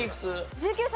１９歳。